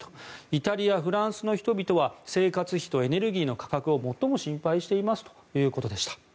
イタリア、フランスの人々は生活費とエネルギーの価格を最も心配していますということでした。